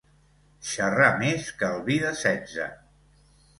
Xerrar més que el vi de setze.